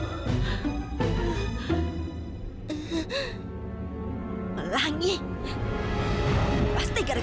oke kemana dia itu terus